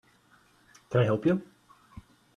Can I help you?